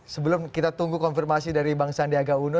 sebelum kita tunggu konfirmasi dari bang sandiaga uno